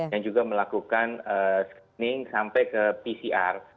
yang juga melakukan screening sampai ke pcr